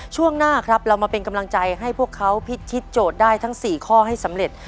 ช่วงหน้าครับเรามาเป็นกำลังใจให้พวกเขาพิชิตโจทย์ได้ทั้ง๔ข้อให้สำเร็จ